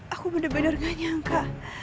aku bener bener gak nyangka